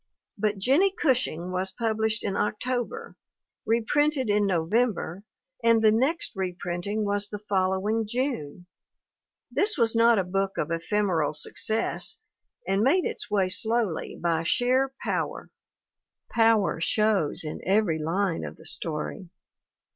But Jennie Gush ing was published in October, reprinted in Novem ber and the next reprinting was the following June ! This was not a book of ephemeral success and made its way slowly by sheer power. Power shows in every line of the story.